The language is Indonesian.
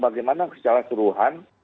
bagaimana secara suruhan